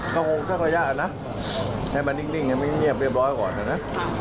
ก็งงก็กระยะนะให้มันนิ่งอย่างง่ายเรียบร้อยก่อนนะนะ